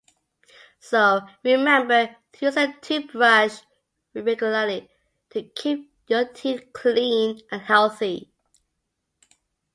So, remember to use your toothbrush regularly to keep your teeth clean and healthy.